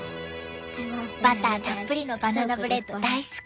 バターたっぷりのバナナブレッド大好き！